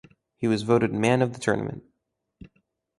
He was voted Man of the Tournament.